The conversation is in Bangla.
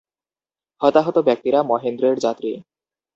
হতাহত ব্যক্তিরা মহেন্দ্রের যাত্রী।